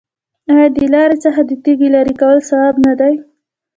آیا د لارې څخه د تیږې لرې کول ثواب نه دی؟